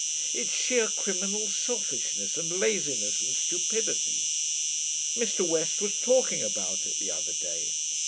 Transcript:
It's sheer criminal selfishness and laziness and stupidity. Mr. West was talking about it the other day.